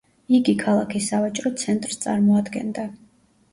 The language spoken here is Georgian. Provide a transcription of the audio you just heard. იგი ქალაქის სავაჭრო ცენტრს წარმოადგენდა.